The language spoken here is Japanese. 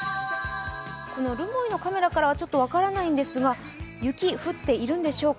留萌のカメラからはちょっと分からないんですが、雪、降っているんでしょうか。